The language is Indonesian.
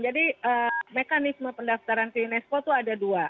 jadi mekanisme pendaftaran ke unesco itu ada dua